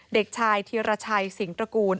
เด็กชายเทียราชัยสิงห์ตระกูล